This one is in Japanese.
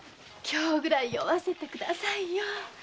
今日ぐらい酔わせてくださいよ